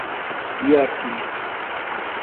Iati